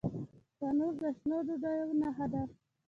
تنور د شنو ډوډیو نښه ده